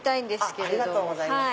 ありがとうございます。